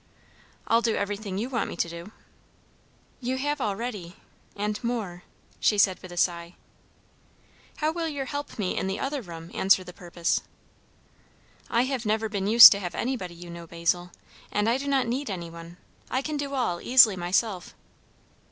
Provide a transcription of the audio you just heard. "I'll do everything you want me to do." "You have already, and more," she said with a sigh. "How will your helpmeet in the other room answer the purpose?" "I have never been used to have anybody, you know, Basil; and I do not need any one. I can do all easily myself."